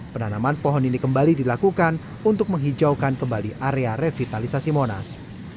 penanaman pohon ini kembali dilakukan untuk menghijaukan kembali area revitalisasi monas